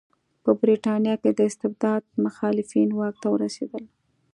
په برېټانیا کې د استبداد مخالفین واک ته ورسېدل.